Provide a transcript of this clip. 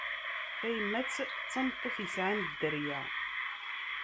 Tayemmat d tameṭṭut yesɛan dderya.